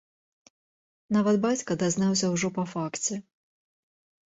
Нават бацька дазнаўся ўжо па факце.